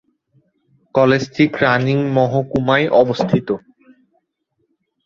কলেজটি ক্যানিং মহকুমায় অবস্থিত।